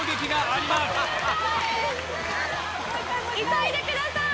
急いでください！